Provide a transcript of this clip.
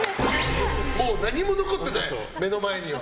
もう何も残ってない目の前には。